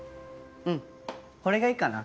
うんこれがいいかな。